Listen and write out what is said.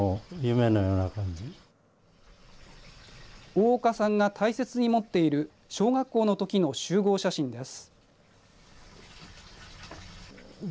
大岡さんが大切に持っている小学校のときの集合写真です。